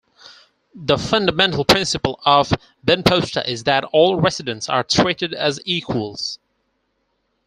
The fundamental principle of Benposta is that all residents are treated as equals.